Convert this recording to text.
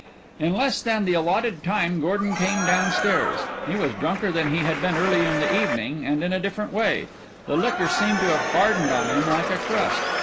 In less than the allotted time Gordon came down stairs. He was drunker than he had been earlier in the evening and in a different way. The liquor seemed to have hardened on him like a crust.